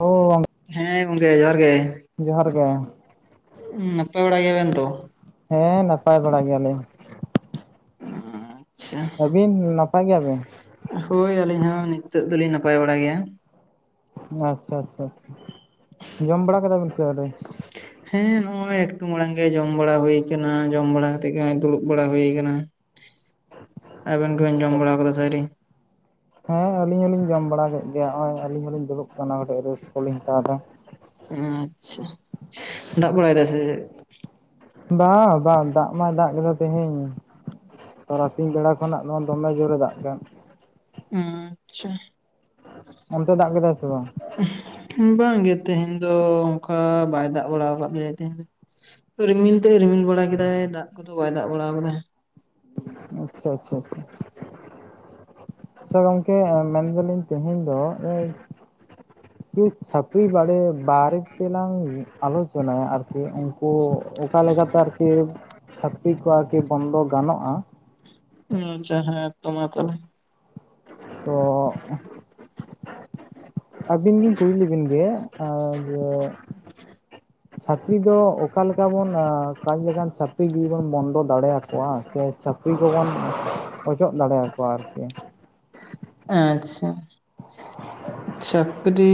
ᱚ ᱦᱮᱸ ᱜᱚᱝᱠᱮ ᱡᱚᱦᱟᱨ ᱜᱮ ᱡᱚᱦᱟᱨ ᱜᱮ ᱱᱟᱯᱟᱭ ᱵᱟᱲᱟ ᱜᱮᱭᱟᱵᱮᱱ ᱛᱚ, ᱦᱮᱸ ᱱᱟᱯᱟᱭ ᱵᱟᱲᱟ ᱜᱮᱭᱟᱞᱤᱧ ᱟᱪᱪᱷᱟ ᱟᱹᱵᱤᱱ ᱱᱟᱯᱟᱭ ᱜᱮᱭᱟᱵᱮᱱ ᱦᱳᱭ ᱟᱹᱞᱤᱧ ᱦᱚᱸ ᱱᱤᱛᱳ ᱫᱚᱞᱤᱧ ᱱᱟᱯᱟᱭ ᱵᱟᱲᱟ ᱜᱮᱭᱟ, ᱟᱪᱪᱷᱟ ᱟᱪᱪᱷᱟ ᱟᱷᱟ ᱡᱚᱢ ᱵᱟᱲᱟ ᱠᱮᱫᱫᱟᱵᱤᱱ ᱥᱮ ᱚᱰᱮ, ᱦᱮᱸ ᱱᱚᱜᱼᱚᱭ ᱮᱠᱴᱩ ᱢᱟᱲᱟᱝ ᱜᱮ ᱡᱚᱢ ᱵᱟᱲᱟ ᱦᱩᱭᱩ ᱠᱟᱱᱟ ᱡᱚᱢ ᱵᱟᱲᱟ ᱠᱟᱛᱮᱜ ᱜᱮᱚᱭ ᱫᱩᱲᱩᱵ ᱵᱟᱲᱟ ᱦᱩᱭᱩ ᱠᱟᱱᱟ ᱟᱵᱮᱱ ᱠᱚᱵᱮᱱ ᱟᱪᱪᱷᱟ ᱡᱚᱢ ᱵᱟᱲᱟ ᱟᱪᱪᱷᱟ ᱟᱠᱟᱫᱟ ᱥᱤᱧ, ᱦᱮᱸ ᱟᱞᱤᱧ ᱦᱚᱞᱤᱧ ᱡᱚᱢ ᱵᱟᱲᱟ ᱠᱮᱫ ᱜᱮᱭᱟ ᱱᱚᱜ ᱚᱚᱭ ᱟᱹᱞᱤᱧ ᱦᱚᱞᱤᱧ ᱫᱩᱲᱩᱵ ᱠᱟᱱᱟ ᱠᱟᱹᱴᱤᱡ ᱨᱟᱹᱥᱠ ᱠᱚ ᱞᱤᱧ ᱦᱟᱛᱟᱣ ᱮᱫᱟ ᱟᱪᱪᱷᱟ ᱫᱟᱜ ᱵᱟᱲᱟᱭ ᱫᱟ ᱥᱮᱪᱮᱫ ᱵᱟᱝ ᱵᱟᱝ ᱫᱟᱜ ᱢᱟᱭ ᱫᱟᱜ ᱠᱮᱫᱟ ᱛᱮᱦᱮᱧ ᱛᱟᱨᱟᱥᱤᱝ ᱵᱮᱲᱟ ᱠᱷᱚᱱᱟᱜ ᱱᱚᱣᱟ ᱫᱚᱢᱮ ᱡᱳᱨᱮ ᱫᱟᱜ ᱠᱟᱱᱟᱱ ᱟᱪᱪᱷᱟ ᱚᱱᱛᱮ ᱫᱟᱜ ᱠᱮᱫᱟᱭ ᱥᱮ ᱵᱟᱝ, ᱵᱟᱝᱜᱮ ᱛᱮᱦᱮᱧ ᱫᱚ ᱚᱱᱠᱟ ᱵᱟᱭ ᱫᱟᱜ ᱵᱟᱲᱟ ᱟᱠᱟᱫ ᱞᱮᱭᱭᱟ ᱛᱮᱦᱮᱧ ᱫᱚ ᱨᱤᱢᱤᱞ ᱛᱮ ᱨᱤᱢᱤᱞ ᱵᱟᱲᱟ ᱠᱮᱫᱟᱭ ᱫᱟᱜ ᱠᱚᱫᱚ ᱵᱟᱭ ᱫᱟᱜ ᱵᱟᱲᱟ ᱟᱠᱟᱫᱟ ᱾ ᱟᱪᱪᱷᱟ ᱟᱪᱪᱷᱟ ᱟᱪᱪᱷᱟ ᱟᱪᱪᱷᱟ ᱜᱚᱝᱠᱮ ᱢᱮᱱᱫᱟᱞᱤᱧ ᱛᱮᱦᱮᱧ ᱫᱚ ᱠᱤ ᱪᱷᱟᱹᱯᱨᱤ ᱵᱟᱲᱮ ᱵᱟᱨᱮ ᱛᱮᱞᱟᱝ ᱟᱞᱳᱪᱚᱱᱟᱭᱟ ᱟᱨ ᱟᱨ ᱠᱤ ᱩᱱᱠᱩ ᱚᱠᱟ ᱞᱮᱠᱟᱛᱮ ᱟᱨᱠᱤ ᱪᱷᱟᱹᱯᱨᱤ ᱠᱚ ᱟᱨᱠᱤ ᱵᱚᱱᱫᱚ ᱜᱟᱱᱚᱜᱼᱟ ᱾ ᱟᱪᱪᱷᱟ ᱦᱮᱸ ᱛᱚ ᱢᱟ ᱛᱟᱵᱮ, ᱛᱚ ᱚᱜ ᱚᱸ ᱟᱹᱵᱤᱱ ᱞᱤᱧ ᱠᱩᱞᱤ ᱞᱮᱵᱤᱱ ᱜᱮ ᱡᱮ, [inaudible] ᱪᱷᱟᱹᱯᱨᱤ ᱫᱚ ᱚᱠᱟ ᱞᱮᱠᱟ ᱵᱚᱱ ᱠᱟᱡᱽ ᱞᱮᱠᱷᱟᱱ, ᱪᱷᱟᱹᱯᱨᱤ ᱜᱤᱵᱚᱱ ᱵᱚᱱᱫᱚ ᱫᱟᱲᱮ ᱟᱠᱚᱣᱟ᱾ ᱥᱮ ᱪᱷᱟᱹᱯᱨᱤ ᱠᱚᱵᱚᱱ ᱚᱪᱚᱜ ᱫᱟᱲᱮ ᱟᱠᱚᱣᱟ ᱟᱨᱠᱤ, ᱟᱪᱪᱷᱟ ᱪᱷᱟᱹᱯᱨᱤ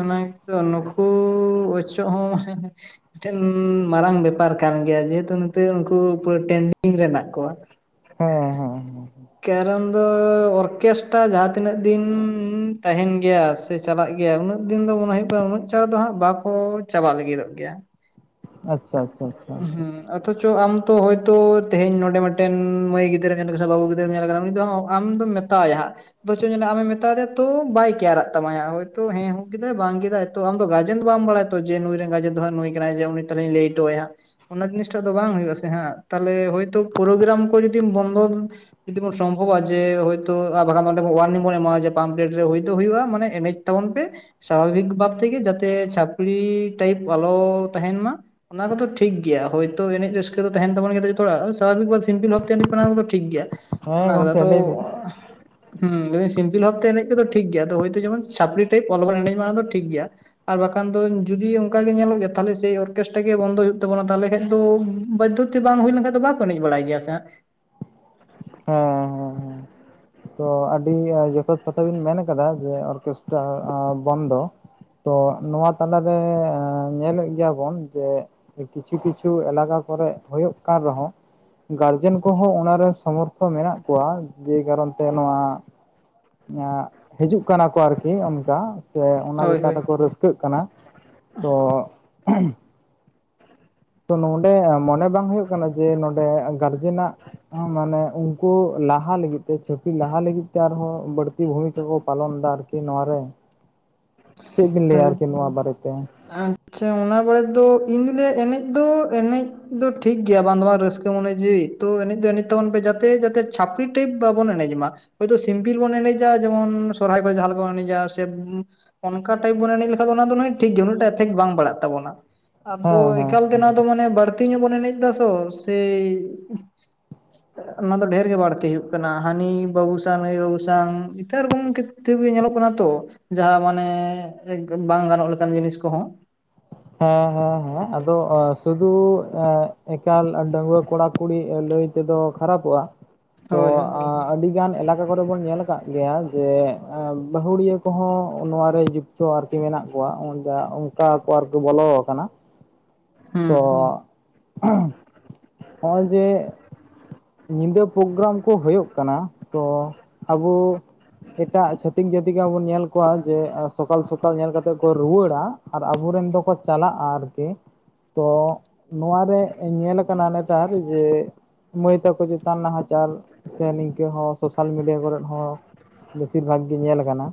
ᱚᱱᱟ ᱜᱮᱛᱚ ᱱᱩᱠᱩ ᱚᱪᱚᱜ ᱦᱚᱸ ᱢᱟᱱᱮ ᱢᱤᱫᱴᱮᱱ ᱢᱟᱨᱟᱝ ᱵᱮᱯᱟᱨ ᱠᱟᱱ ᱜᱮᱭᱟ ᱡᱮᱦᱮᱛᱩ ᱱᱮ ᱩᱱᱠᱩ ᱴᱮᱱᱰᱤᱝ ᱢᱮᱱᱟᱜ ᱠᱚᱣᱟ ᱦᱚᱸ ᱠᱟᱨᱚᱱ ᱫᱚ ᱚᱨᱠᱮᱥᱴᱟᱨ ᱡᱟᱦᱟᱸ ᱛᱤᱱᱟᱹᱜ ᱫᱤᱱ ᱛᱟᱦᱮᱱ ᱜᱮ ᱜᱮᱭᱟ ᱥᱮ ᱪᱟᱞᱟᱜ ᱜᱮᱭᱟ ᱩᱱᱟᱹᱜ ᱫᱤᱱ ᱫᱚ ᱢᱚᱱᱮ ᱦᱩᱭᱩᱜ ᱠᱟᱱᱟ ᱩᱱᱟᱹᱜ ᱪᱟᱬ ᱫᱚ ᱦᱟᱸᱜ ᱵᱟᱠᱚ ᱪᱟᱵᱟᱜ ᱞᱟᱹᱜᱤᱫᱚᱜ ᱜᱮᱭᱟ [inaudible] ᱟᱪᱪᱷᱟ ᱟᱪᱪᱷᱟ ᱟᱪᱪᱷᱟ ᱦᱮᱸ ᱚᱛᱷᱚᱪᱚ ᱟᱢ ᱛᱚ ᱳᱭᱛᱚ ᱛᱮᱦᱮᱧ ᱱᱚᱰᱮ ᱢᱤᱫᱴᱮᱱ ᱢᱟᱹᱭ ᱜᱤᱫᱽᱨᱟᱹ ᱧᱮᱞ ᱠᱟᱱᱟ ᱥᱮ ᱵᱟᱹᱵᱩ ᱜᱤᱫᱨᱟᱹᱢ ᱧᱮᱞ ᱠᱟᱱᱟ ᱩᱱᱤ ᱫᱚ ᱟᱢ ᱫᱚᱢ ᱢᱮᱛ ᱢᱮᱛᱟᱣᱟᱭ ᱦᱟᱸᱜ ᱟ ᱪ ᱟᱢᱮ ᱢᱮᱛᱟ ᱫᱮᱭᱟ ᱛᱚ ᱵᱟᱭᱤᱠ ᱠᱮᱭᱟᱨᱟᱜ ᱛᱟᱢᱟᱭᱟ ᱦᱳᱭᱛᱳ ᱦᱮᱸ ᱦᱩ ᱠᱮᱫᱟᱭ ᱵᱟᱝ ᱠᱮᱫᱟᱭ ᱛᱚ ᱟᱢ ᱫᱚ ᱜᱟᱨᱡᱮᱱ ᱫᱚ ᱵᱟᱢ ᱵᱟᱲᱟᱭᱟ ᱛᱚ ᱡᱮ ᱱᱩᱭ ᱨᱮᱱ ᱜᱟᱨᱡᱮᱱ ᱫᱚ ᱦᱟᱜ ᱱᱩᱭ ᱠᱟᱱᱟᱭ ᱡᱮ ᱩᱱᱤ ᱛᱟᱞᱦᱮᱧ ᱞᱟᱹᱭ ᱴᱳ ᱟᱭᱟ ᱚᱱᱟ ᱡᱤᱱᱤᱥᱴᱟᱜ ᱫᱚ ᱵᱟᱝ ᱦᱩᱭᱩᱜ ᱟᱥᱮ ᱦᱟᱜ ᱛᱟᱦᱞᱮ ᱦᱳᱭᱛᱳ ᱯᱨᱳᱜᱨᱟᱢ ᱠᱚ ᱡᱩᱫᱤᱢ ᱵᱚᱱᱫᱚ ᱡᱩᱫᱤ ᱵᱚᱱ ᱥᱚᱢᱵᱷᱚᱵᱼᱟ ᱡᱮ ᱦᱳᱭᱛᱳ ᱟᱨ ᱵᱟᱠᱷᱟᱱ ᱫᱚ ᱚᱸᱰᱮ ᱦᱟᱨᱱᱤᱝ ᱵᱚᱱ ᱮᱢᱟ ᱟ ᱡᱮ ᱯᱟᱢ [unintelligible] ᱨᱮ ᱱᱤᱛᱚᱜ ᱦᱩᱭᱩᱜᱼᱟ ᱢᱟᱱᱮ ᱮᱱᱮᱡ ᱛᱟᱵᱚᱱ ᱯᱮ ᱥᱟᱵᱷᱟᱵᱤᱠ ᱵᱷᱟᱵ ᱛᱮᱜᱮ ᱡᱟᱛᱮ ᱪᱷᱟᱹᱯᱨᱤ ᱴᱟᱭᱤᱯ ᱟᱞᱚ ᱛᱟᱦᱮᱱ ᱢᱟ ᱚᱱᱟ ᱠᱚᱫᱚ ᱴᱷᱤᱠ ᱜᱮᱭᱟ ᱦᱳᱭ ᱛ ᱮᱱᱮᱡ ᱨᱟᱹᱥᱠᱟᱹ ᱫᱚ ᱛᱟᱦᱮᱱ ᱛᱟᱵᱚᱱ ᱜᱮᱭᱟ ᱛᱚ ᱡᱚᱛᱚ ᱦᱚᱲᱟᱜ ᱥᱟᱵᱷᱟᱵᱤᱠ ᱥᱮ ᱥᱤᱢᱯᱤᱞ ᱵᱷᱟᱵ ᱛᱮ ᱮᱱᱮᱡ ᱯᱮ ᱚᱱᱟ ᱠᱚ ᱫᱚ ᱴᱷᱤᱠ ᱜᱮᱭᱟ ᱦᱮᱸ ᱚᱱᱟ ᱠᱚᱫᱚ ᱜᱚᱝᱠᱮ ᱫᱚ ᱞᱟᱹᱭ ᱵᱤᱱ ᱦᱩ ᱞᱟᱹᱭ ᱫᱟᱹᱧ ᱥᱤᱢᱯᱤᱞ ᱵᱷᱟᱵ ᱛᱮ ᱮᱱᱮᱡ ᱠᱚᱫᱚ ᱴᱷᱤᱠ ᱜᱮᱭᱟ ᱟᱫᱚ ᱦᱳᱭᱛᱳ ᱡᱮᱚᱱ ᱪᱷᱟᱹᱯᱨᱤ ᱴᱟᱭᱤᱯ ᱟᱞᱚᱵᱚᱲ ᱮᱱᱮᱡ ᱢᱟ ᱚᱲᱟᱜ ᱫᱚ ᱴᱷᱤᱠ ᱜᱮᱭᱟ ᱟᱨ ᱵᱟᱠᱷᱟᱱ ᱫᱚ ᱡᱩᱫᱤ ᱚᱱᱠᱟ ᱜᱮ ᱧᱮᱞᱚᱜ ᱜᱮᱭᱟ ᱛᱟᱦᱚᱞᱮ ᱥᱨᱤ ᱚᱨᱠᱮᱥᱴᱨᱟ ᱜᱮ ᱵᱚᱱᱫᱚᱭ ᱦᱳᱭᱳᱜ ᱛᱟᱵᱱᱟ ᱛᱟᱦᱚᱞᱮ ᱠᱷᱟᱱ ᱫᱚ ᱵᱟᱫᱽᱷᱚ ᱛᱮ ᱵᱟᱝ ᱦᱩᱭ ᱞᱮᱱᱠᱷᱟᱱ ᱫᱚ ᱵᱟᱠᱚ ᱮᱱᱮᱡ ᱵᱟᱲᱟᱭ ᱜᱮᱭᱟ ᱥᱮ ᱦᱟᱜ ᱦᱮᱸ ᱦᱮᱸ ᱦᱮᱸ ᱛᱚ ᱟᱹᱰᱤ ᱡᱚᱛᱷᱟᱛ ᱠᱟᱛᱷᱟᱵᱤᱱ ᱢᱮᱱ ᱟᱠᱟᱫᱟ ᱡᱮ ᱚᱨᱠᱮᱥᱴᱨᱟ ᱵᱚᱱᱫᱚ ᱛᱚ ᱱᱚᱣᱟ ᱛᱟᱞᱟᱨᱮ ᱧᱮᱞᱮᱫ ᱜᱮᱭᱟᱵᱚᱱ ᱡᱮ ᱠᱤᱪᱷᱩ ᱠᱤᱪᱷᱩ ᱮᱞᱟᱠᱟ ᱠᱚᱨᱮᱜ ᱦᱩᱭᱩᱜ ᱠᱟᱱ ᱨᱮᱦᱚᱸ ᱜᱟᱨᱡᱮᱱ ᱠᱚᱦᱚᱸ ᱚᱱᱟᱨᱮ ᱥᱚᱢᱚᱨᱛᱷ ᱢᱮᱱᱟᱜ ᱠᱚᱣᱟ ᱡᱮ ᱠᱟᱨᱚᱱ ᱛᱮ ᱱᱚᱣᱟ ᱦᱤᱡᱩᱜ ᱠᱟᱱᱟ ᱠᱚ ᱟᱨᱠᱤ ᱚᱱᱠᱟ ᱥᱮ ᱚᱱᱟ ᱦᱳᱭ ᱪᱮᱛᱟᱱ ᱦᱳᱭ ᱨᱮᱠᱚ ᱨᱟᱹᱥᱠᱟᱹ ᱨᱟᱹᱥᱠᱟᱹᱜ ᱠᱟᱱᱟ ᱛᱚ ᱛᱚ ᱱᱚᱰᱮ ᱢᱚᱱᱮ ᱵᱟᱝ ᱦᱩᱭᱩᱜ ᱠᱟᱱᱟ ᱡᱮ ᱱᱚᱰᱮ ᱜᱟᱨᱡᱮᱱᱟᱜ ᱢᱟᱱᱮ ᱩᱱᱠᱩ ᱞᱟᱦᱟ ᱞᱟᱹᱜᱤᱫ ᱛᱮ ᱪᱷᱟᱹᱛᱤᱠ ᱞᱟᱦᱟ ᱞᱟᱹᱜᱤᱫ ᱛᱮ ᱟᱨᱦᱚᱸ ᱵᱟᱹᱲᱛᱤ ᱵᱷᱩᱢᱤᱠᱟ ᱠᱚ ᱯᱟᱞᱚᱱ ᱫᱟ ᱟᱨᱠᱤ ᱠᱤ ᱱᱚᱣᱟ ᱨᱮ ᱪᱮᱫ ᱵᱤᱱ ᱦᱳᱭ ᱞᱟᱹᱭᱟ ᱟᱨᱠᱤ ᱱᱚᱣᱟ ᱵᱟᱨᱮᱛᱮ ᱟᱪᱪᱷᱟ ᱚᱱᱟ ᱵᱟᱨᱮ ᱛᱮᱫᱚ ᱤᱧᱫᱚᱧ ᱞᱟᱹᱭᱟ ᱮᱱᱮᱡ ᱫᱚ ᱮᱱᱮᱡ ᱫᱚ ᱴᱷᱤᱠ ᱜᱮᱭᱟ ᱵᱟᱝ ᱫᱚ ᱵᱟᱝ ᱨᱟᱹᱥᱠᱟᱹ ᱢᱚᱱᱮ ᱡᱤᱣᱭᱤ ᱛᱚ ᱮᱱᱮᱡ ᱫᱚ ᱮᱱᱮᱡ ᱛᱟᱵᱚᱱ ᱯᱮ ᱡᱟᱛᱮ ᱡᱟᱛᱮ ᱪᱷᱟᱹᱯᱨᱤ ᱴᱟᱭᱤᱯ ᱵᱟᱵᱚᱱ ᱮᱱᱮᱡ ᱢᱟ ᱦᱚᱭᱛᱳ ᱥᱤᱢᱯᱤᱞ ᱵᱚᱱ ᱮᱱᱮᱡᱟ ᱡᱮᱢᱚᱱ ᱥᱚᱦᱚᱨᱟᱭ ᱠᱚᱨᱮ ᱡᱟᱞᱟᱞᱮᱠᱟ ᱵᱚᱱ ᱮᱱᱮᱡᱟ ᱥᱮ ᱚᱱᱠᱟ ᱴᱟᱭᱤᱯ ᱵᱚᱱ ᱮᱱᱮᱡ ᱞᱮᱠᱷᱟᱱ ᱚᱱᱟ ᱫᱚ ᱴᱤᱠ ᱜᱮᱭᱟ ᱩᱱᱟᱹᱜᱴᱟ ᱮᱯᱷᱮᱠᱴ ᱵᱟᱝ ᱵᱟᱲᱟᱜ ᱛᱟᱵᱚᱱᱟ ᱟᱫᱚ ᱦᱮᱸ ᱮᱠᱟᱞ ᱛᱮ ᱱᱚᱣᱟ ᱫᱚ ᱢᱟᱱᱮ ᱵᱟᱹᱲᱛᱤ ᱧᱚᱜ ᱵᱚᱱ ᱮᱱᱮᱡ ᱫᱟᱥᱚ ᱥᱮ ᱚᱱᱟ ᱫᱚ ᱰᱷᱮᱨ ᱜᱮ ᱵᱟᱹᱲᱛᱤ ᱦᱩᱭᱩᱜ ᱠᱟᱱᱟ ᱦᱟᱹᱱᱤ ᱵᱟᱹᱵᱩ ᱥᱟᱭ ᱱᱟᱹᱭ ᱵᱟᱹᱵᱩ ᱥᱟᱝ ᱤᱛᱷᱟᱹᱱ ᱨᱚᱠᱚᱢ ᱠᱤᱛᱛᱤᱵᱤ ᱧᱮᱞᱚᱜ ᱠᱟᱱᱟ ᱛᱚ ᱡᱟᱦᱟᱸ ᱢᱟᱱᱮ ᱵᱟᱝ ᱜᱟᱱᱚᱜ ᱞᱮᱠᱟᱱ ᱡᱤᱱᱤᱥ ᱠᱚᱦᱚᱸ ᱦᱮᱸ ᱦᱮᱸ ᱦᱮᱸ ᱟᱫᱚ ᱥᱩᱫᱩ ᱮᱠᱟᱞ ᱰᱟᱺᱣᱟᱹ ᱠᱚᱲᱟ ᱠᱩᱲᱤ ᱞᱟᱹᱭ ᱛᱮᱫᱚ ᱠᱷᱟᱨᱟᱯᱚᱜᱼᱟ ᱛᱚ ᱦᱳᱭ ᱦᱳᱭ ᱟᱜ ᱟᱹᱰᱤ ᱜᱟᱱ ᱮᱞᱟᱠᱟ ᱠᱚᱨᱮ ᱵᱚᱱ ᱧᱮᱞ ᱠᱟᱜ ᱜᱮᱭᱟ ᱡᱮ ᱵᱟᱹᱦᱩᱲᱤᱭᱟᱹ ᱠᱚᱦᱚᱸ ᱱᱚᱣᱟ ᱨᱮ ᱡᱩᱠᱛᱚ ᱟᱨᱠᱤ ᱠᱤ ᱢᱮᱱᱟᱜ ᱠᱚᱣᱟ ᱚᱱᱡᱟ ᱚᱝᱠᱟ ᱠᱚ ᱟᱨ ᱠᱚ ᱵᱚᱞᱚ ᱠᱟᱱᱟ ᱛᱚ ᱦᱩᱸ ᱦᱚᱸᱜᱼᱚᱭ ᱡᱮᱸ ᱧᱤᱫᱟᱹ ᱯᱨᱳᱜᱨᱟᱢ ᱠᱚ ᱦᱳᱭᱳᱜ ᱠᱟᱱᱟ ᱛᱚ ᱟᱵᱚ ᱮᱴᱟᱜ ᱪᱷᱟᱹᱛᱤᱠ ᱡᱟᱹᱛᱤᱜᱟᱜ ᱵᱚᱱ ᱧᱮᱞ ᱠᱚᱣᱟ ᱡᱮ ᱥᱚᱠᱟᱞ ᱥᱚᱠᱟᱞ ᱧᱮᱞ ᱠᱟᱛᱮ ᱠᱚ ᱨᱩᱣᱟᱹᱲᱟ ᱟᱨ ᱟᱵᱚᱨᱮᱱ ᱫᱚᱠᱚ ᱪᱟᱞᱟᱜᱼᱟ ᱟᱨᱠᱤ ᱛᱚ ᱱᱚᱣᱟᱨᱮ ᱧᱮᱞ ᱠᱟᱱᱟ ᱱᱮᱛᱟᱨ ᱡᱮ ᱢᱟᱹᱭ ᱛᱟᱠᱚ ᱪᱤᱛᱟᱱ ᱱᱟᱦᱟᱪᱟᱨ ᱥᱮ ᱱᱤᱝᱠᱟᱹ ᱦᱚᱸ ᱥᱳᱥᱟᱞ ᱢᱤᱰᱤᱭᱟ ᱠᱚᱨᱮ ᱦᱚᱸ ᱵᱮᱥᱤᱨ ᱵᱷᱟᱜᱽ ᱜᱤ ᱧᱮᱞ ᱠᱟᱱᱟ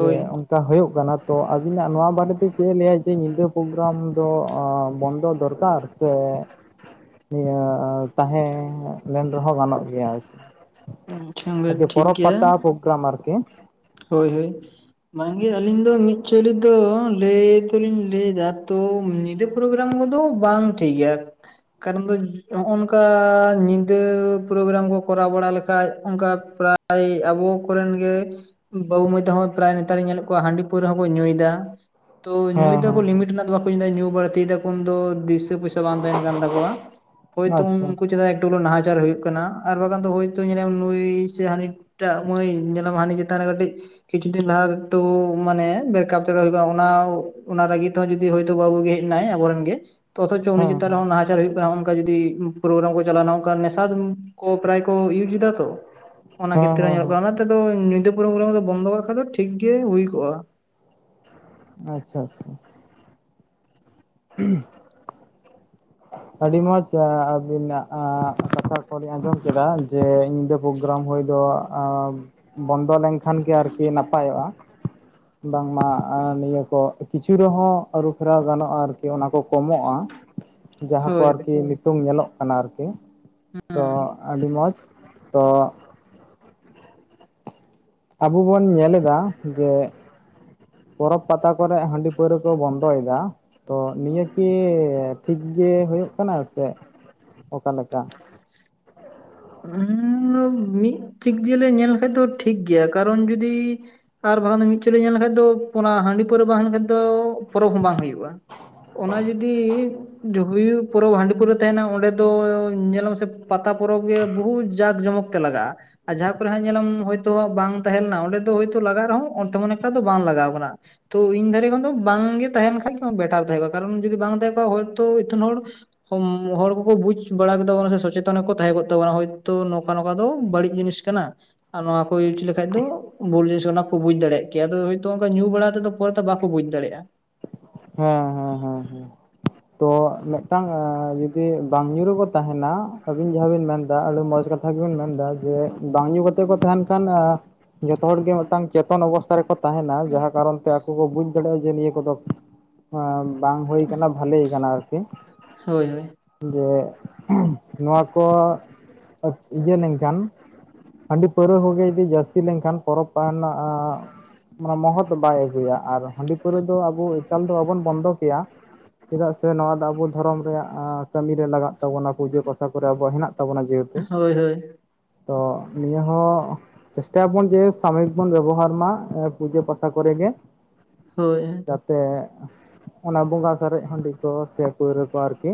ᱡᱮ ᱠᱟ ᱦᱳᱭᱳᱜ ᱠᱟᱱᱟ ᱛᱚ ᱟᱵᱤᱱᱟᱜ ᱱᱚᱣᱟ ᱵᱟᱨᱮᱛᱮ ᱪᱮᱜ ᱮ ᱞᱮᱭᱟ ᱡᱮ ᱧᱤᱫᱟᱹ ᱯᱨᱳᱜᱨᱟᱢ ᱫᱚ ᱵᱚᱱᱫᱚ ᱫᱚᱨᱠᱟᱨ ᱥᱮ ᱱᱤᱭᱟᱹ ᱛᱟᱦᱮᱸ ᱞᱮᱱ ᱨᱮᱦᱚᱸ ᱜᱟᱱᱚᱜ ᱜᱮᱭᱟ ᱟᱨᱠᱤ ᱟᱪᱪᱷᱟ ᱵᱮᱥ ᱟᱨᱠᱤ ᱴᱷᱤᱠ ᱯᱚᱨᱚᱵᱽ ᱜᱮᱭᱟ ᱯᱟᱛᱟ ᱯᱨᱳᱜᱨᱟᱢ ᱟᱨᱠᱤ ᱦᱳᱭ ᱦᱳᱭ ᱵᱟᱝᱜᱮ ᱟᱹᱞᱤᱧ ᱫᱚ ᱢᱤᱫᱪᱳᱭᱮᱞᱤ ᱫᱚ ᱞᱮᱭ ᱛᱚᱞᱤᱧ ᱞᱮᱭ ᱫᱟ ᱛᱚ ᱧᱤᱫᱟᱹ ᱯᱨᱳᱜᱨᱟᱢ ᱠᱚᱫᱚ ᱵᱟᱝ ᱴᱷᱤᱠ ᱜᱮᱭᱟ ᱠᱟᱨᱚᱱ ᱫᱚ ᱱᱚᱜ ᱱᱚᱝᱠᱟ ᱧᱤᱫᱟᱹ ᱯᱨᱳᱜᱨᱟᱢ ᱠᱚ ᱠᱚᱨᱟᱣ ᱵᱟᱲᱟ ᱞᱮᱠᱷᱟᱡ ᱚᱱᱠᱟ ᱯᱨᱟ ᱭ ᱟᱵᱚ ᱠᱚᱨᱮᱱ ᱜᱮ ᱵᱟᱹᱵᱩ ᱢᱟᱹᱭ ᱛᱟᱦᱚᱸ ᱯᱨᱟᱭ ᱱᱮᱛᱟᱨᱤᱧ ᱧᱮᱞᱮᱫ ᱠᱚᱣᱟ ᱦᱟᱺᱰᱤ ᱯᱟᱹᱣᱨᱟᱹ ᱦᱚᱸ ᱠᱚ ᱧᱩᱭᱫᱟ ᱛᱚ ᱧᱩᱭ ᱦᱮᱸ ᱦᱮᱸ ᱫᱟᱠᱚ ᱞᱤᱢᱤᱴ ᱨᱮᱱᱟᱜ ᱫᱚ ᱵᱟᱠᱚ ᱧᱩᱭ ᱫᱟ ᱧᱩ ᱵᱟᱹᱲᱛᱤᱭ ᱫᱟᱠᱚ ᱩᱱᱫᱚ ᱫᱤᱥᱟᱹ ᱯᱩᱭ ᱵᱟᱝ ᱛᱮᱸᱦᱮᱱ ᱠᱟᱱ ᱛᱟᱠᱚᱣᱟ ᱦᱳᱭᱛᱳ ᱟᱪᱪᱷᱟ ᱩᱱᱠᱩ ᱪᱮᱫᱟᱜ ᱴᱩᱞᱩ ᱱᱟᱦᱟᱪᱟᱨ ᱦᱳᱭᱳᱜ ᱠᱟᱱᱟ ᱟᱨ ᱵᱟᱝᱠᱷᱟᱱ ᱫᱚ ᱦᱳᱭᱛᱚ ᱧᱮᱞᱮᱭᱟᱢ ᱱᱩᱭ ᱥᱮ ᱦᱟᱹᱱᱤᱴᱟᱜ ᱢᱟᱹᱭ ᱧᱮᱞᱟᱢ ᱦᱟᱹᱱᱤ ᱪᱮᱛᱟᱱ ᱨᱮ ᱠᱟᱹᱴᱤᱡ ᱠᱤᱪᱷᱩ ᱫᱤᱱ ᱞᱟᱦᱟ ᱮᱠᱴᱩ ᱢᱟᱱᱮ ᱵᱨᱮᱠᱟᱯ ᱛᱨᱮᱠᱟᱯ ᱦᱩᱭ ᱠᱟᱱᱟ ᱚᱱᱟ ᱚᱱᱟ ᱨᱟᱹᱜᱤ ᱛᱮᱸᱦᱚ ᱡᱩᱫᱤ ᱦᱳᱭᱛᱳ ᱵᱟᱹᱵᱩ ᱜᱮ ᱦᱮᱡ ᱱᱟᱭ ᱟᱵᱚᱨᱮᱱ ᱜᱮ ᱛᱚ ᱚᱛᱷᱚᱪᱚ ᱩᱱᱤ ᱦᱮᱸ ᱪᱮᱛᱟᱱ ᱨᱮ ᱦᱮᱸ ᱱᱟᱦᱟᱪᱟᱨ ᱦᱩᱭᱩᱜ ᱠᱟᱱᱟ ᱚᱱᱠᱟ ᱡᱩᱫᱤ ᱯᱨᱳᱜᱨᱟᱢ ᱠᱚ ᱪᱟᱞᱟᱣᱱᱟ ᱚᱱᱠᱟ ᱱᱮᱥᱟ ᱠᱚ ᱯᱨᱟᱭ ᱠᱚ ᱤᱭᱩᱡ ᱮᱫᱟ ᱛᱚ ᱚᱱᱟ ᱦᱮᱸ ᱠᱷᱮᱛᱨᱮ ᱦᱮᱸ ᱧᱮᱞᱚᱜ ᱠᱟᱱᱟ ᱦᱮᱸ ᱚᱱᱟᱛᱮ ᱫᱚ ᱧᱤᱫᱟᱹ ᱯᱨᱳᱜᱨᱟᱢ ᱫᱚ ᱵᱚᱱᱫᱚ ᱠᱟᱜ ᱠᱷᱟᱡ ᱫᱚ ᱴᱷᱤᱠ ᱜᱮ ᱦᱩᱭ ᱠᱚᱜᱼᱟ ᱟᱪᱪᱷᱟ ᱟᱪᱪᱷᱟ ᱦ [unintelligible] ᱟᱹᱰᱤ ᱢᱚᱸᱡᱽ ᱟᱹᱵᱤᱱᱟᱜ ᱠᱟᱛᱷᱟ ᱠᱚ ᱞᱤᱧ ᱟᱸᱡᱚᱢ ᱠᱮᱫᱟ ᱡᱮ ᱧᱤᱫᱟᱹ ᱯᱨᱳᱜᱨᱟᱢ ᱦᱳᱭ ᱫᱚ ᱵᱚᱱᱫᱚ ᱞᱮᱱᱠᱷᱟᱱ ᱜᱮ ᱟᱨᱠᱤ ᱱᱟᱯᱟᱭᱚᱜᱼᱟ ᱵᱟᱝᱢᱟ ᱱᱤᱭᱟᱹ ᱠᱚ ᱠᱤᱪᱷᱩ ᱨᱮᱦᱚᱸ ᱟᱹᱨᱩᱯᱷᱮᱨᱟᱣ ᱜᱟᱱᱚᱜᱼᱟ ᱟᱨᱠᱤ ᱚᱱᱟ ᱠᱚ ᱠᱚᱢᱚᱜᱼᱟ ᱡᱟᱦᱟᱸ ᱠᱚ ᱦᱳᱭ ᱟᱨᱠᱤ ᱥᱤᱛᱩᱝ ᱧᱮᱞᱚᱜ ᱠᱟᱱᱟ ᱟᱨᱠᱤ ᱛᱚ ᱟᱹᱰᱤ ᱢᱚᱡᱽ ᱛᱚ ᱟᱵᱩ ᱵᱚᱱ ᱧᱮᱞ ᱮᱫᱟ ᱡᱮ ᱯᱚᱨᱚᱵᱽ ᱯᱟᱛᱟ ᱠᱚᱨᱮ ᱦᱟᱺᱰᱤ ᱯᱟᱹᱣᱨᱟᱹ ᱠᱚ ᱵᱚᱱᱫᱚᱭᱮᱫᱟ ᱛᱚ ᱱᱤᱭᱟᱹ ᱠᱤ ᱴᱷᱤᱠᱜᱮ ᱦᱳᱭᱳᱜ ᱠᱟᱱᱟ ᱥᱮ ᱚᱠᱟᱞᱮᱠᱟ [unintelligible] ᱦᱩᱸ ᱢᱤᱫ ᱪᱤᱠ ᱡᱤᱭᱟᱹᱞᱮ ᱧᱮᱞ ᱞᱮᱠᱷᱟᱡ ᱫᱚ ᱴᱷᱤᱠ ᱜᱤᱭᱟ ᱠᱟᱨᱚᱱ ᱡᱩᱫᱤ ᱟᱨ ᱵᱟᱝᱠᱷᱟᱱ ᱫᱚ ᱢᱤᱫᱪᱩᱭᱮᱞᱤ ᱧᱮᱞ ᱞᱮᱠᱷᱟᱡ ᱫᱚ ᱚᱱᱟ ᱦᱟᱺᱰᱤ ᱯᱟᱹᱣᱨᱟᱹ ᱵᱟᱝ ᱛᱟᱸᱦᱮ ᱞᱮ ᱠᱷᱟᱡ ᱫᱚ ᱯᱚᱨᱚᱵᱽ ᱦᱚᱸ ᱵᱟᱝ ᱦᱩᱭᱩᱜᱼᱟ ᱚᱱᱟ ᱡᱩᱫᱤ ᱡᱩ ᱦᱩᱭᱩᱜ ᱯᱚᱨᱚᱵᱽ ᱦᱟᱺᱰᱤ ᱯᱟᱹᱣᱨᱟᱹ ᱛᱟᱦᱮᱱᱟ ᱚᱸᱰᱮ ᱫᱚ ᱧᱮᱞᱢᱮ ᱯᱟᱛᱟ ᱯᱚᱨᱚᱵᱽ ᱜᱮ ᱵᱚᱦᱩᱛ ᱡᱟᱠ ᱡᱚᱢᱚᱠ ᱛᱮ ᱞᱟᱜᱟᱜᱼᱟ ᱟᱨ ᱡᱟᱦᱟᱸ ᱠᱚᱨᱮ ᱦᱟᱸᱜ ᱧᱮᱞᱟᱢ ᱦᱚᱭᱛᱳ ᱵᱟᱝ ᱛᱟᱦᱮᱸ ᱞᱮᱱᱟ ᱚᱸᱰᱮ ᱫᱚᱦᱭᱛᱚ ᱞᱟᱜᱟᱜ ᱨᱮᱦᱚᱸ ᱚ ᱛᱮᱢᱚᱱ ᱮᱠᱴᱟ ᱫᱚ ᱵᱟᱝ ᱞᱟᱜᱟᱣ ᱠᱟᱱᱟ ᱛᱚ ᱤᱧ ᱫᱷᱟᱹᱨᱤ ᱠᱷᱚᱱ ᱫᱚ ᱵᱟᱝᱜᱮ ᱛᱟᱦᱮᱱ ᱠᱷᱟᱡ ᱵᱮᱴᱟᱨ ᱛᱟᱦᱮᱸ ᱠᱚᱜᱼᱟ ᱠᱟᱨᱚᱱ ᱡᱩᱫᱤ ᱵᱟᱝ ᱛᱟᱦᱮᱸ ᱠᱚᱜᱼᱟ ᱦᱚᱭᱛᱳ ᱤᱛᱷᱟᱹᱱ ᱦᱚᱲ ᱦᱚᱲ ᱠᱚᱠᱚ ᱵᱩᱡ ᱵᱟᱲᱟ ᱠᱮᱫᱟ ᱵᱚᱞᱮ ᱥᱚᱪᱮᱛᱚᱱ ᱜᱮ ᱠᱚ ᱛᱟᱸᱦᱮ ᱠᱚᱜ ᱛᱟᱸᱵᱚᱱᱟ ᱦᱳᱭᱛᱳ ᱱᱚᱝᱠᱟ ᱱᱚᱝᱠᱟ ᱫᱚ ᱵᱟᱹᱲᱤᱡ ᱡᱤᱱᱤᱥ ᱠᱟᱱᱟ᱾ ᱟᱨ ᱱᱚᱣᱟ ᱠᱚ ᱤᱭᱩᱡᱽ ᱞᱮᱠᱷᱟᱡ ᱫᱚ ᱵᱷᱩᱞ ᱡᱤᱱᱤᱥ ᱚᱱᱟ ᱠᱚ ᱵᱩᱡ ᱫᱟᱲᱮᱭᱟᱜ ᱠᱮᱭᱟ ᱟᱫᱚ ᱦᱳᱭᱛᱳ ᱧᱩ ᱵᱟᱲᱟ ᱛᱮᱫᱚ, ᱠᱚ ᱫᱚ ᱵᱟᱠᱚ ᱵᱩᱡᱽ ᱫᱟᱲᱮᱭᱟᱜ-ᱟ᱾ ᱦᱮᱸ ᱦᱮᱸ ᱦᱮᱸ ᱦᱮᱸ [unintelligible] ᱛᱚ ᱢᱤᱫᱴᱟᱝ ᱡᱩᱫᱤ ᱵᱟᱝ ᱧᱩ ᱨᱮᱠᱚ ᱛᱟᱸᱦᱮᱱᱟ ᱟᱹᱵᱤᱱ ᱡᱟᱸᱦᱟ ᱵᱤᱱ ᱢᱮᱱᱫᱟ ᱟᱹᱰᱤ ᱢᱚᱸᱡᱽ ᱠᱟᱛᱮ, ᱠᱟᱛᱷᱟ ᱜᱮᱵᱤᱱ ᱢᱮᱱᱫᱟ ᱡᱮ ᱵᱟᱝ ᱧᱩ ᱠᱟᱛᱮ ᱠᱚ ᱛᱟᱸᱦᱮᱱ ᱠᱷᱟᱱ ᱡᱚᱛᱚ ᱦᱚᱲ ᱜᱮ ᱢᱤᱫᱴᱟᱝ ᱪᱮᱛᱚᱱ ᱚᱵᱚᱥᱛᱷᱟ ᱨᱮᱠᱚ, ᱛᱟᱸᱦᱮᱱᱟ ᱡᱟᱸᱦᱟ ᱠᱟᱨᱚᱱ ᱛᱮ ᱟᱠᱚ ᱠᱚ ᱵᱩᱡᱽ ᱫᱟᱲᱮᱭᱟᱜ-ᱟ᱾ ᱡᱮ ᱱᱤᱭᱟᱹ ᱠᱚᱫᱚ, ᱦᱮ ᱵᱟᱝ ᱦᱩᱭ ᱠᱟᱱᱟ ᱵᱷᱟᱞᱮ ᱠᱟᱱᱟ ᱟᱨᱠᱤ, ᱦᱳᱭ ᱦᱳᱭ ᱡᱮ ᱱᱚᱣᱟ ᱠᱚ ᱤᱭᱟᱹ ᱞᱮᱱᱠᱷᱟᱱ, ᱦᱟᱺᱰᱤ ᱯᱟᱹᱣᱨᱟᱹ ᱠᱚᱜᱮ ᱡᱩᱫᱤ ᱡᱟᱹᱥᱛᱤ ᱞᱮᱱᱠᱷᱟᱱ ᱯᱚᱨᱚᱵᱽ [inaudible] ᱢᱟᱱᱮ ᱢᱚᱦᱚᱛ ᱵᱟᱭ ᱟᱹᱜᱩᱭᱟ ᱟᱨ ᱦᱟᱺᱰᱤ ᱯᱟᱹᱣᱨᱟᱹ ᱫᱚ ᱟᱵᱚ ᱮᱠᱟᱞ ᱫᱚ ᱵᱟᱵᱚᱱ ᱵᱚᱱᱫᱚ ᱠᱮᱭᱟ, ᱪᱮᱫᱟᱜ ᱥᱮ ᱱᱚᱣᱟ ᱫᱚ ᱟᱵᱚ ᱫᱷᱚᱨᱚᱢ ᱨᱮᱭᱟᱜ ᱠᱟᱹᱢᱤ ᱨᱮ ᱞᱟᱜᱟᱜ ᱛᱟᱵᱚᱱᱟ ᱯᱩᱡᱟᱹ ᱯᱟᱥᱟ ᱠᱚᱨᱮ ᱟᱵᱚ ᱦᱮᱱᱟᱜ ᱛᱟᱵᱚᱱᱟ ᱡᱮᱦᱮᱛᱩ, ᱦᱳᱭ ᱦᱳᱭ, ᱛᱚ ᱱᱤᱭᱟᱹ ᱦᱚᱸ, ᱪᱮᱥᱴᱟᱭᱟᱵᱚᱱ ᱡᱮ ᱥᱟᱢᱚᱭᱤᱠ ᱵᱚᱱ ᱵᱮᱵᱚᱦᱟᱨ ᱢᱟ ᱯᱩᱡᱟᱹ ᱯᱟᱥᱟ ᱠᱚᱨᱮᱜ ᱜᱮ, ᱦᱳᱭ, ᱥᱮ ᱚᱱᱟ ᱵᱚᱸᱜᱟ ᱥᱟᱨᱮᱡ ᱦᱟᱺᱰᱤ ᱠᱚ ᱥᱮ ᱯᱟᱹᱣᱨᱟᱹ ᱠᱚ ᱟᱨᱠᱤ,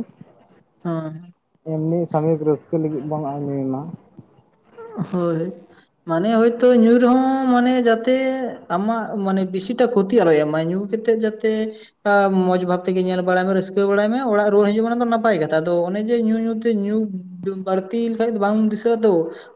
ᱮᱢᱱᱤ ᱥᱟᱢᱤᱠ ᱨᱟᱹᱥᱠᱟᱹ ᱞᱟᱹᱜᱤᱫ ᱵᱚᱱ ᱟᱧᱩᱭ ᱢᱟ ᱾ ᱦᱳᱭ, ᱢᱟᱱᱮ ᱦᱳᱭᱛᱚ ᱧᱩ ᱨᱮᱦᱚᱸ ᱢᱟᱱᱮ ᱡᱟᱛᱮ ᱟᱢᱟᱜ ᱢᱟᱱᱮ ᱵᱮᱥᱤᱴᱟ ᱠᱷᱚᱛᱤ ᱟᱞᱚᱭ ᱮᱢᱟᱭ ᱧᱩ, ᱠᱟᱛᱮ ᱡᱟᱛᱮ ᱢᱟᱡᱽᱵᱷᱟᱵ ᱛᱮᱜᱮ ᱧᱮᱞ ᱵᱟᱲᱟᱭ ᱢᱮ ᱨᱟᱹᱥᱠᱟᱹ ᱵᱟᱲᱟᱭ ᱢᱮ ᱚᱲᱟᱜ ᱨᱩᱣᱟᱹᱲ ᱦᱤᱡᱩᱜ ᱢᱮ ᱚᱱᱟ ᱫᱚ ᱱᱟᱯᱟᱭ ᱜᱮ, ᱟᱫᱚ ᱚᱱᱮ ᱡᱮ ᱧᱩ ᱧᱩᱛᱮ ᱧᱩ ᱵᱟᱹᱲᱛᱤ ᱞᱮᱠᱷᱟᱡ ᱫᱚ ᱵᱟᱝ ᱫᱤᱥᱟᱹᱜ-ᱟ ᱛᱚ,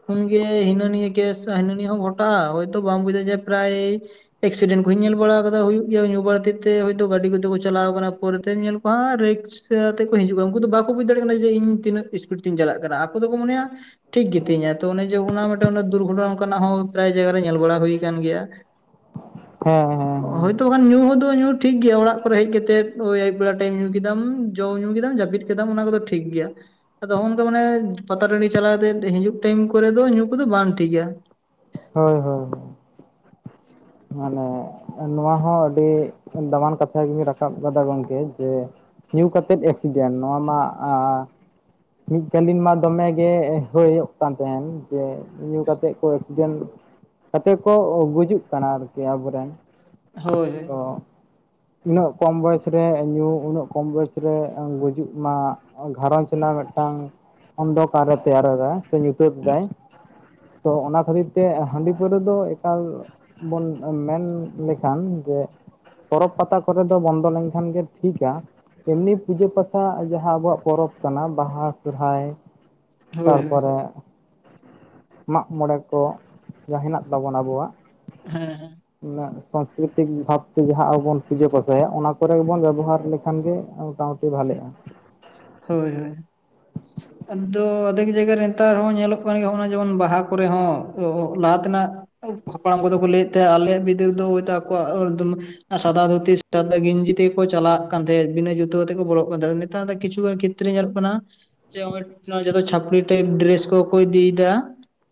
ᱩᱱᱟᱹᱝ ᱜᱮ ᱦᱤᱱᱟᱹᱱᱤᱭᱟᱹ ᱠᱮᱥ ᱦᱤᱱᱟᱹᱱᱤᱭᱟᱹ ᱦᱚᱸ ᱜᱷᱚᱴᱟᱣᱚᱜ-ᱟ ᱦᱚᱭᱛᱚ ᱵᱟᱝ ᱵᱩᱡᱷᱟᱹ ᱡᱮ ᱯᱨᱟᱭ, ᱮᱠᱥᱤᱰᱮᱱᱴ ᱠᱚᱦᱚᱧ ᱧᱮᱞ ᱵᱟᱲᱟ ᱠᱟᱫᱟ ᱦᱩᱭᱩᱜ ᱜᱮᱭᱟ ᱧᱩ ᱵᱟᱹᱲᱛᱤ ᱛᱮ ᱦᱚᱭᱛᱳ ᱜᱟᱹᱰᱤ ᱠᱚᱛᱮ ᱠᱚ ᱪᱟᱞᱟᱣ ᱟᱠᱟᱱᱟ ᱯᱚᱨᱮᱛᱮᱢ ᱧᱮᱞ ᱠᱚᱣᱟ ᱨᱤᱠᱥ, ᱛᱮ ᱠᱚ ᱦᱤᱡᱩᱜ-ᱟ ᱩᱱᱠᱩ ᱫᱚ ᱵᱟᱠᱚ ᱵᱩᱡᱽ ᱫᱟᱲᱮ ᱠᱟᱱᱟ ᱡᱮ ᱤᱧ ᱛᱤᱱᱟᱹᱜ ᱥᱯᱤᱰ ᱛᱤᱧ ᱪᱟᱞᱟᱜ ᱠᱟᱱᱟ ᱟᱠᱚ ᱫᱚᱠᱚ ᱢᱚᱱᱮᱭᱟ, ᱴᱷᱤᱠ ᱜᱮᱛᱤᱧᱟ ᱛᱚ ᱚᱱᱮ ᱡᱮ ᱚᱱᱟ ᱢᱤᱫᱴᱟᱝ ᱫᱩᱨᱜᱚᱴᱚᱱᱟ ᱚᱱᱠᱟᱱᱟᱜ ᱦᱚᱸ ᱯᱨᱟᱭ ᱡᱟᱭᱜᱟᱮ ᱧᱮᱞ ᱵᱟᱲᱟ ᱦᱩᱭ ᱟᱠᱟᱱ ᱜᱮᱭᱟ᱾ ᱦᱮᱸ [inaudible] ᱦᱮᱸ ᱦᱮᱸ ᱦᱮᱸ, ᱦᱳᱭᱛᱚ ᱵᱟᱠᱷᱟᱱ ᱧᱩ ᱦᱚᱸ ᱧᱩ ᱴᱷᱤᱠ ᱜᱮᱭᱟ ᱚᱲᱟᱜ ᱠᱚᱨᱮ ᱦᱮᱡ ᱠᱟᱛᱮᱫ ᱟᱹᱭᱩᱵ ᱵᱮᱞᱟ ᱴᱟᱭᱤᱢ ᱧᱩ ᱠᱮᱫᱟᱢ ᱡᱚᱢ ᱧᱩ ᱠᱮᱫᱟᱢ ᱡᱟᱹᱯᱤᱫ ᱠᱮᱫ, ᱠᱮᱫᱟᱢ ᱚᱱᱟ ᱠᱚᱫᱚ ᱴᱷᱤᱠ ᱜᱮᱭᱟ, ᱟᱫᱚ ᱱᱚᱜ-ᱚᱭ ᱱᱚᱝᱠᱟ ᱢᱟᱱᱮ ᱯᱟᱛᱟ ᱴᱟᱺᱰᱤ ᱪᱟᱞᱟᱣ ᱠᱟᱛᱮ ᱦᱤᱡᱩᱜ ᱴᱟᱭᱤᱢ ᱠᱚᱨᱮ ᱫᱚ ᱧᱩ ᱠᱚᱫᱚ ᱵᱟᱝ ᱴᱷᱤᱠᱟ᱾ ᱦᱳᱭ ᱦᱳᱭ, ᱢᱟᱱᱮ ᱱᱚᱣᱟ ᱦᱚᱸ ᱟᱹᱰᱤ ᱫᱟᱢᱟᱱ ᱠᱟᱛᱷᱟ ᱜᱤᱵᱤᱱ ᱨᱟᱠᱟᱵ ᱠᱟᱫᱟ ᱜᱚᱝᱠᱮ ᱡᱮ, ᱧᱩ ᱠᱟᱛᱮᱫ ᱮᱠᱥᱤᱰᱮᱱᱴ ᱱᱚᱣᱟ ᱢᱟ, ᱢᱤᱫ ᱠᱟᱹᱞᱤᱱ ᱢᱟ ᱫᱚᱢᱮ ᱜᱮ ᱦᱩᱭᱩᱜ ᱠᱟᱱ ᱛᱟᱸᱦᱮᱱ ᱡᱮ ᱧᱩ ᱠᱟᱛᱮᱫ ᱠᱚ ᱮᱠᱥᱤᱰᱮᱱᱴᱼᱼ ᱠᱟᱛᱮ ᱠᱚ ᱜᱩᱡᱩᱜ ᱠᱟᱱᱟ ᱟᱨᱠᱤ ᱟᱵᱚᱨᱮᱱ, ᱦᱳᱭ ᱦᱳᱭ, ᱚ ᱛᱤᱱᱟᱹᱜ ᱠᱚᱢ ᱵᱚᱭᱚᱥ ᱨᱮ ᱧᱩ ᱩᱱᱟᱹᱜ ᱠᱚᱢ ᱵᱚᱭᱟᱥ ᱨᱮ ᱜᱩᱡᱩᱜ ᱢᱟ᱾ ᱜᱷᱟᱨᱚᱸᱡᱽ ᱨᱮᱱᱟᱜ ᱢᱤᱫᱴᱟᱝ ᱚᱱᱫᱷᱚᱠᱟᱨ ᱮ ᱛᱮᱭᱟᱨ ᱮᱫᱟ ᱥᱮ ᱧᱩᱛᱟᱹᱛ ᱮᱫᱟᱭ, ᱛᱚ ᱚᱱᱟ ᱠᱷᱟᱹᱛᱤᱨ ᱛᱮ ᱦᱟᱺᱰᱤ ᱯᱟᱹᱣᱨᱟᱹ ᱫᱚ ᱮᱠᱟᱞ, ᱵᱚᱱ ᱢᱮᱱ ᱞᱮᱠᱷᱟᱱ ᱡᱮ, ᱯᱚᱨᱚᱵᱽ ᱯᱟᱛᱟ ᱠᱚᱨᱮ ᱫᱚ ᱵᱚᱱᱫᱚ ᱞᱮᱱᱠᱷᱟᱱ ᱜᱮ ᱴᱷᱤᱠᱟ᱾ ᱮᱢᱱᱤ ᱯᱩᱡᱟᱹ ᱯᱟᱥᱟ ᱡᱟᱸᱦᱟ ᱟᱵᱚᱣᱟᱜ ᱯᱚᱨᱚᱵᱽ ᱠᱟᱱᱟ ᱵᱟᱦᱟ᱾ ᱥᱚᱨᱦᱟᱭ ᱦᱳᱭ ᱦᱳᱭ ᱦᱳᱭ ᱛᱟᱨᱯᱚᱨᱮᱼᱼ ᱢᱟᱜ ᱢᱚᱸᱬᱮ ᱠᱚ ᱡᱟᱸᱦᱟ ᱦᱮᱱᱟᱜ ᱛᱟᱵᱚᱱᱟ ᱟᱵᱚᱣᱟᱜ ᱦᱮᱸ ᱦᱮᱸ ᱩᱱᱟᱹᱜ ᱼᱼ ᱯᱨᱟᱠᱨᱤᱛᱤᱠ ᱵᱷᱟᱵᱽ ᱛᱮ ᱡᱟᱸᱦᱟ ᱟᱵᱚ ᱵᱚᱱ ᱯᱩᱡᱟᱹ ᱯᱟᱥᱟᱭᱟ ᱚᱱᱟ ᱠᱚᱨᱮ ᱜᱮ ᱵᱚᱱ ᱵᱮᱵᱚᱦᱟᱨ ᱞᱮᱠᱷᱟᱱ ᱜᱮ ᱢᱚᱴᱟᱢᱩᱴᱤ ᱵᱷᱟᱞᱮᱜ-ᱟ᱾ ᱦᱳᱭ ᱦᱳᱭ, ᱟᱫᱚ ᱟᱫᱷᱮᱠ ᱡᱟᱭᱜᱟ ᱨᱮ ᱱᱮᱛᱟᱨ ᱦᱚᱸ ᱧᱮᱞᱚᱜ ᱠᱟᱱ ᱜᱮᱭᱟ ᱡᱮᱢᱚᱱ ᱵᱟᱦᱟ ᱠᱚᱨᱮ ᱦᱚᱸ ᱞᱟᱦᱟ ᱛᱮᱱᱟᱜᱼᱼ ᱦᱟᱯᱲᱟᱢ ᱠᱚᱫᱚ ᱠᱚ ᱞᱟᱹᱭᱮᱫ ᱛᱟᱸᱦᱮᱜ ᱟᱞᱮ ᱵᱤᱫᱟᱹᱞ ᱫᱚ ᱦᱳᱭᱛᱳ ᱟᱠᱚᱣᱟᱜ [inaudible] ᱥᱟᱫᱟ ᱫᱷᱩᱛᱤ ᱥᱟᱫᱟ ᱜᱮᱧᱡᱤ ᱛᱮᱠᱚ ᱪᱟᱞᱟᱜ ᱠᱟᱱ ᱛᱟᱦᱮᱸᱟᱦᱮᱫ ᱵᱤᱱᱟᱹ ᱡᱩᱛᱟᱹ ᱠᱟᱛᱮ ᱠᱚ ᱵᱚᱞᱚᱜ ᱠᱟᱱ ᱛᱟᱦᱮᱸᱫ ᱱᱮᱛᱟᱨ ᱫᱚ ᱠᱤᱪᱷᱩᱜᱟᱱᱼᱼ ᱠᱷᱮᱛᱨᱮ ᱧᱮᱞᱚᱜ ᱠᱟᱱᱟ ᱡᱮ ᱡᱚᱛᱚ ᱪᱷᱟᱯᱲᱤ ᱴᱟᱭᱤᱯ ᱰᱨᱮᱥ ᱠᱚᱠᱚ ᱤᱫᱤᱭᱮᱫᱟ᱾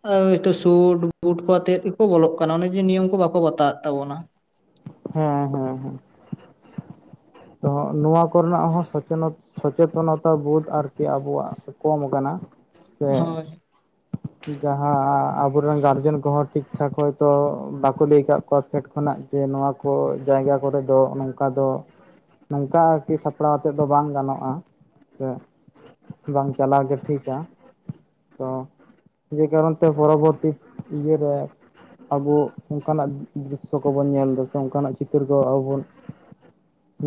ᱦᱚᱭᱛᱚ ᱥᱩᱴ ᱵᱩᱴ ᱠᱚ ᱟᱛᱮᱫ ᱜᱮᱠᱚ ᱵᱚᱞᱚᱜ ᱠᱟᱱᱟ ᱚᱱᱮ ᱡᱮ ᱱᱤᱭᱚᱢ ᱠᱚ ᱵᱟᱠᱚ ᱵᱟᱛᱟᱣ ᱮᱫ ᱛᱟᱵᱚᱱᱟ᱾ ᱦᱮᱸ ᱦᱮᱸ ᱦᱮᱸ᱾ ᱛᱚ ᱱᱚᱣᱟ ᱠᱚᱨᱮᱱᱟᱜ ᱦᱚᱸ ᱥᱚᱪᱮᱛᱚᱱᱚᱛᱟ ᱵᱳᱫᱷ ᱟᱨᱠᱤ ᱟᱵᱚᱣᱟᱜ᱾ ᱠᱚᱢ ᱠᱟᱱᱟ ᱥᱮᱼᱼ [inaudible] ᱡᱟᱦᱟᱸ ᱟᱵᱚᱨᱮᱱ ᱜᱟᱨᱡᱮᱱ ᱠᱚᱦᱚᱸ ᱴᱷᱤᱠᱴᱷᱟᱠ ᱦᱚᱭᱛᱚ ᱵᱟᱠᱚ ᱞᱟᱹᱭ ᱟᱠᱟᱫ ᱠᱚᱣᱟ ᱯᱷᱮᱰ ᱠᱷᱚᱱᱟᱜᱼᱼ ᱥᱮ ᱱᱚᱣᱟ ᱠᱚ ᱡᱟᱭᱜᱟ ᱠᱚᱨᱮ ᱫᱚ ᱱᱚᱝᱠᱟ ᱫᱚ᱾ ᱱᱚᱝᱠᱟ ᱟᱨᱠᱤ ᱥᱟᱯᱲᱟᱣ ᱟᱛᱮᱫ ᱫᱚ ᱵᱟᱝ ᱜᱟᱱᱚᱜᱼᱟ ᱥᱮᱼᱼ ᱵᱟᱝ ᱪᱟᱞᱟᱣ ᱜᱮ ᱴᱷᱤᱠᱼᱟ᱾ ᱦ [unintelligible] ᱡᱮ ᱠᱟᱨᱚᱱ ᱛᱮ, ᱯᱚᱨᱚᱵᱚᱨᱛᱤ ᱤᱭᱟᱹ ᱨᱮ ᱟᱵᱚ ᱚᱝᱠᱟᱱᱟᱜ ᱫᱨᱤᱥᱚ ᱠᱚᱵᱚᱱ ᱧᱮᱞ ᱮᱫᱟ, ᱥᱮ ᱚᱝᱠᱟᱱᱟᱜ ᱪᱤᱛᱟᱹᱨ ᱠᱚ ᱟᱵᱚ ᱵᱚᱱ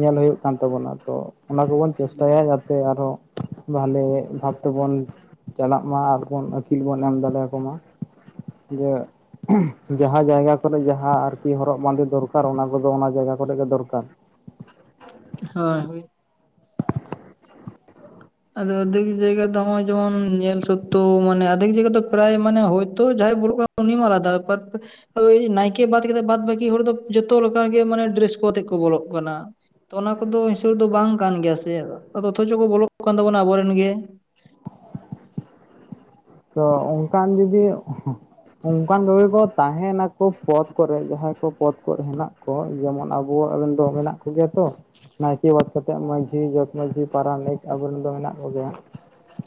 ᱧᱮᱞ ᱦᱳᱭᱳᱜ ᱠᱟᱱ ᱛᱟᱵᱚᱱᱟ ᱛᱚ, ᱚᱱᱟ ᱠᱚᱵᱚᱱ ᱪᱮᱥᱴᱟᱭᱟ, ᱡᱟᱛᱮ ᱟᱨᱦᱚᱸ ᱵᱷᱟᱞᱮ ᱵᱷᱟᱵᱽ ᱛᱮᱵᱚᱱ ᱪᱟᱞᱟᱜ ᱢᱟ, ᱟᱨᱵᱚᱱ ᱟᱹᱠᱤᱞ ᱵᱚᱱ ᱮᱢ ᱫᱟᱲᱮ ᱟᱠᱚ ᱢᱟ᱾ ᱡᱮ ᱡᱟᱦᱟᱸ ᱡᱟᱭᱜᱟ ᱠᱚᱨᱮ, ᱡᱟᱦᱟᱸ ᱟᱨᱠᱤ ᱦᱚᱨᱚᱜ ᱵᱟᱸᱫᱮ ᱫᱚᱨᱠᱟᱨ, ᱚᱱᱟ ᱠᱚᱫᱚ ᱚᱱᱟ ᱡᱟᱭᱜᱟ ᱠᱚᱨᱮ ᱜᱮ ᱫᱚᱨᱠᱟᱨ᱾ ᱦᱳᱭ, ᱦᱳᱭ᱾ ᱟᱫᱚ ᱟᱫᱷᱮᱠ ᱡᱟᱭᱜᱟ ᱫᱚ ᱦᱚᱜᱼᱚᱭ, ᱡᱮᱢᱚᱱ ᱧᱮᱞ ᱥᱚᱛᱛᱚᱣ, ᱢᱟᱱᱮ ᱟᱫᱷᱮᱠ ᱡᱟᱭᱜᱟ ᱫᱚ ᱯᱨᱟᱭ ᱢᱟᱱᱮ ᱦᱚᱭᱛᱚ ᱡᱟᱦᱟᱸᱟᱭ ᱵᱚᱞᱚᱜ ᱠᱟᱱᱟ ᱩᱱᱤ ᱢᱟ ᱟᱞᱟᱫᱟ ᱵᱮᱯᱟᱨ ᱦᱳᱭ ᱱᱟᱭᱠᱮ ᱵᱟᱫ ᱠᱟᱛᱮᱫ, ᱵᱟᱫ ᱵᱟᱹᱠᱤ ᱦᱚᱲ ᱫᱚ ᱡᱚᱛᱚ ᱞᱮᱠᱟ ᱜᱮ, ᱢᱟᱱᱮ ᱰᱨᱮᱥ ᱠᱚ ᱟᱛᱮᱜ ᱠᱚ ᱵᱚᱞᱚᱜ ᱠᱟᱱᱟ᱾ ᱛᱚ ᱚᱱᱟ ᱠᱚᱫᱚ ᱦᱤᱥᱟᱹᱵ ᱨᱮᱫᱚ ᱵᱟᱝ ᱠᱟᱱ ᱜᱮᱭᱟ ᱥᱮ, ᱚᱛᱷᱚᱪᱚ ᱠᱚ ᱵᱚᱞᱚᱜ ᱠᱟᱱ ᱛᱟᱵᱚᱱᱟ ᱟᱵᱚᱨᱮᱱ ᱜᱮ᱾ ᱛᱚ ᱚᱝᱠᱟᱱ ᱡᱩᱫᱤ ᱚᱝᱠᱟᱱ ᱠᱚᱜᱮ ᱠᱚ ᱛᱟᱦᱮᱱᱟᱠᱚ, ᱯᱚᱫ ᱠᱚᱨᱮ ᱡᱟᱦᱟᱸᱭ ᱠᱚ ᱯᱚᱫ ᱠᱚᱨᱮ, ᱦᱮᱱᱟᱜ ᱠᱚ ᱡᱮᱢᱚᱱ ᱟᱵᱚᱣᱟᱜ ᱨᱮᱱ ᱫᱚ, ᱢᱮᱱᱟᱜ ᱠᱚᱜᱮᱭᱟ᱾ ᱛᱚ ᱱᱟᱭᱠᱮ ᱵᱟᱫ ᱠᱟᱛᱮᱜ, ᱢᱟᱺᱡᱷᱤ, ᱡᱚᱜ ᱢᱟᱺᱡᱷᱤ, ᱯᱟᱨᱟᱱᱤᱠ, ᱟᱵᱚᱨᱮᱱ ᱫᱚ ᱢᱮᱱᱟᱜ ᱠᱚᱜᱮᱭᱟ᱾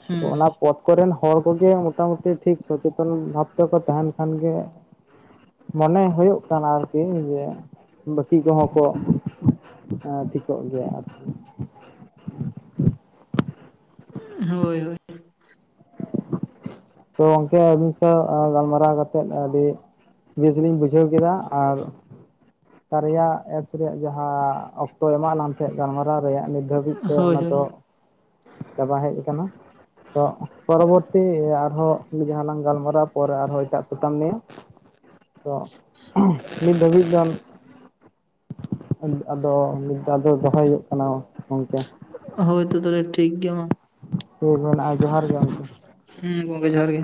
ᱦᱩᱸ ᱚᱱᱟ ᱯᱚᱛ ᱠᱚᱨᱮᱱ ᱦᱚᱲ ᱠᱚᱜᱮ, ᱢᱚᱴᱟᱢᱩᱴᱤ ᱴᱷᱤᱠ ᱥᱚᱪᱮᱛᱚᱱ ᱵᱷᱟᱵ ᱛᱮᱠᱚ ᱛᱟᱦᱮᱱ ᱠᱷᱟᱱ ᱜᱮ, ᱢᱟᱱᱮ ᱦᱳᱭᱳᱜ ᱠᱟᱱᱟ ᱟᱨᱠᱤ, ᱡᱮ ᱵᱟᱹᱠᱤ ᱠᱚᱦᱚᱸ ᱠᱚ ᱮᱸ ᱴᱷᱤᱠᱚᱜ ᱜᱮᱭᱟ ᱟᱨᱠᱤ᱾ ᱦᱳᱭ, ᱦᱳᱭ᱾ ᱛᱚ ᱜᱚᱢᱠᱮ ᱥᱟᱶ ᱜᱟᱞᱢᱟᱨᱟᱣ ᱠᱟᱛᱮ, ᱟᱹᱰᱤ ᱵᱮᱥᱞᱤᱧ ᱵᱩᱡᱷᱟᱹᱣ ᱠᱮᱫᱟ ᱟᱨ ᱠᱟᱨᱭᱟ ᱮᱯᱥ ᱨᱮᱭᱟᱜ ᱡᱟᱦᱟᱸ, ᱚᱠᱛᱚᱭ ᱮᱢᱟᱜ ᱞᱟᱝ ᱛᱟᱦᱮᱸ ᱜᱟᱞᱢᱟᱨᱟᱣ ᱨᱮᱭᱟᱜ ᱱᱤᱛ ᱱᱤᱛ ᱫᱷᱟᱹᱵᱤᱡ ᱛᱮ ᱦᱳᱭ ᱚᱱᱟ ᱦᱳᱭ ᱫᱚ ᱪᱟᱵᱟ ᱦᱮᱡ ᱠᱟᱱᱟ, ᱛᱚ ᱯᱚᱨᱚᱵᱚᱨᱛᱤ ᱟᱨᱦᱚᱸ ᱡᱟᱦᱟᱸ ᱞᱟᱝ ᱜᱟᱞᱢᱟᱨᱟ, ᱯᱚᱨᱮ ᱟᱨᱦᱚᱸ ᱮᱴᱟᱜ ᱥᱟᱛᱟᱢ ᱱᱤᱭᱮ ᱛᱚ ᱱᱤᱛ ᱫᱷᱟᱹᱵᱤᱡ ᱫᱚ ᱟᱫᱚ ᱱᱤᱛ ᱫᱚ ᱟᱫᱚ ᱫᱚᱦᱚᱭ ᱦᱳᱭᱳᱜ ᱠᱟᱱᱟ ᱜᱝᱢᱠᱮ? ᱦᱳᱭ ᱛᱚ ᱛᱟᱦᱚᱞᱮ ᱴᱷᱤᱠ ᱜᱮᱭᱟ ᱢᱟ᱾ ᱴᱷᱤᱠ ᱢᱮᱱᱟᱜᱼᱟ, ᱡᱚᱦᱟᱨ ᱜᱮ ᱜᱚᱢᱠᱮ᱾ ᱦᱩᱸ ᱜᱚᱝᱠᱮ ᱡᱚᱦᱟᱨ ᱜᱮ᱾